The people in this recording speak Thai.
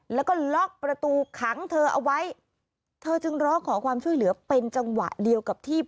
แล้วก็ล็อกประตูขังเธอเอาไว้เธอจึงร้องขอความช่วยเหลือเป็นจังหวะเดียวกับที่